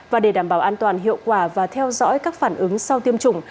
và để đảm bảo an toàn hiệu quả và theo dõi các phản ứng sau tiêm chủng